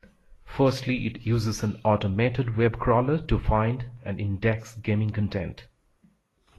Firstly it uses an automated web crawler to find and index gaming content.